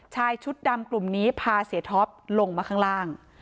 ชายชุดดำกลุ่มนี้พาเสียท็อปลงมาข้างล่าง